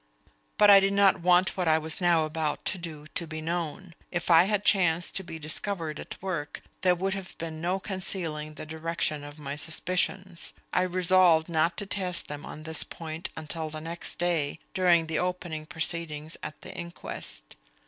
But I did not want what I was now about to do to be known. If I had chanced to be discovered at work, there would have been no concealing the direction of my suspicions. I resolved not to test them on this point until the next day, during the opening proceedings at the inquest.